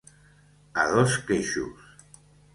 A dos queixos.